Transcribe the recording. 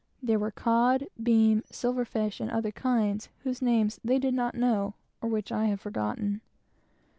There were cod, breams, silver fish, and other kinds whose names they did not know, or which I have forgotten.